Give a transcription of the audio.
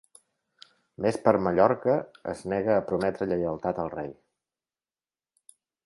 Més per Mallorca es nega a prometre lleialtat al rei